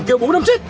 bạn kêu bố đâm chết